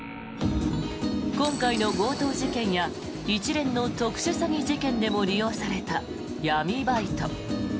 今回の強盗事件や一連の特殊詐欺事件でも利用された闇バイト。